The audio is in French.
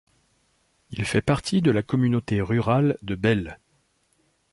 Il fait partie de la communauté rurale de Belle.